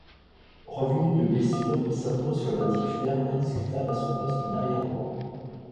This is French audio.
Revenu de blessure, il s'impose comme un titulaire indiscutable à son poste d'arrière droit.